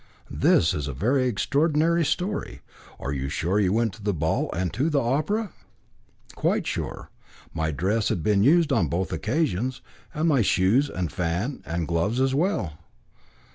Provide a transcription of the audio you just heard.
"This is a very extraordinary story. Are you sure you went to the ball and to the opera?" "Quite sure. My dress had been used on both occasions, and my shoes and fan and gloves as well."